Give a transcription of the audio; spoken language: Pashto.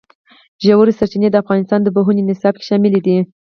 ژورې سرچینې د افغانستان د پوهنې نصاب کې شامل دي.